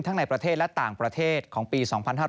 ในประเทศและต่างประเทศของปี๒๕๕๙